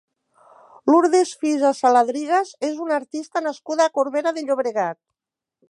Lourdes Fisa Saladrigas és una artista nascuda a Corbera de Llobregat.